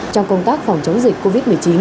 trong công tác phòng chống dịch covid một mươi chín